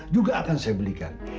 juga akan saya belikan